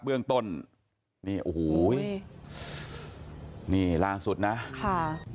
เบื้องต้นนี่โอ้โหนี่ล่าสุดนะค่ะ